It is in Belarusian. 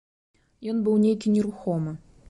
Ён быў нейкі нерухомы.